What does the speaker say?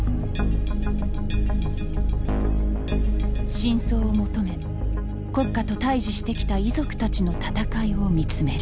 真相を求め国家と対峙してきた遺族たちの闘いを見つめる。